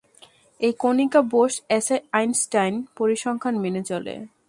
এই কণিকা বোস-আইনস্টাইন পরিসংখ্যান মেনে চলে।